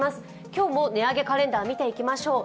今日も値上げカレンダー見ていきましょう。